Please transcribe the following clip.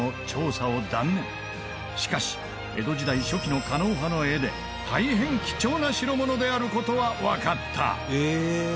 しかし江戸時代初期の狩野派の絵で大変貴重な代物である事はわかった。